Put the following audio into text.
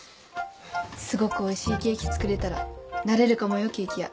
すごくおいしいケーキ作れたらなれるかもよケーキ屋。